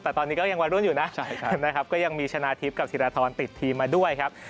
แต่ตอนนี้ก็ยังวัยรุ่นอยู่นะนะครับก็ยังมีชนะทิพย์กับธิรทรติดทีมมาด้วยครับ